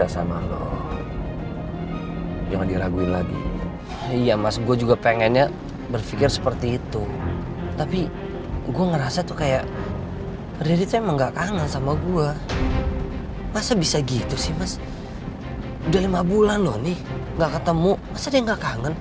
sampai jumpa di video selanjutnya